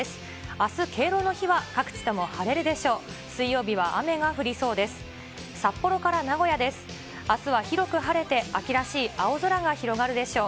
あす敬老の日は各地とも晴れるでしょう。